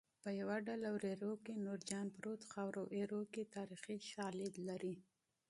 په یوه ډله وریرو کې نورجان پروت خاورو ایرو کې تاریخي شالید لري